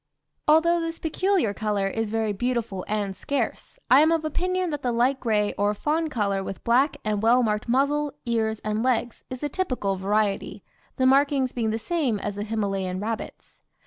Although this peculiar colour is very beautiful and scarce, I am of opinion that the light gray or fawn colour with black and well marked muzzle, ears, and legs is the typical variety, the markings being the same as the Himalayan rabbits.